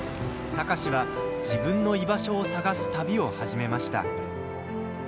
貴司は、自分の居場所を探す旅を始めました。